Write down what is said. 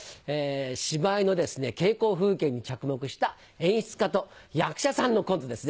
芝居の稽古風景に着目した演出家と役者さんのコントですね。